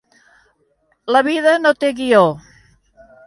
La vida no té guió.